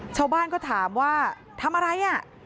ชาวบ้านก็ถามว่าทำอะไรอ่ะ